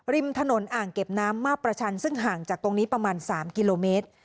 ริมถนนอ่างเก็บน้ำมาประชันซึ่งห่างจากตรงนี้ประมาณ๓กิโลเมตร